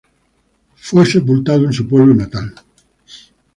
Fue sepultado en su pueblo natal.